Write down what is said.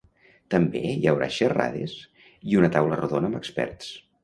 També hi haurà xerrades i una taula rodona amb experts.